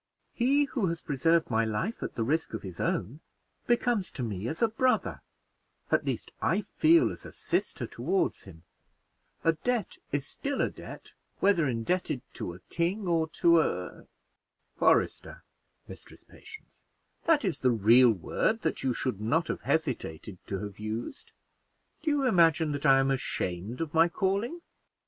"He who has preserved my life at the risk of his own becomes to me as a brother at least I feel as a sister toward him: a debt is still a debt, whether indebted to a king or to a " "Forester, Mistress Patience; that is the real word that you should not have hesitated to have used. Do you imagine that I am ashamed of my calling?"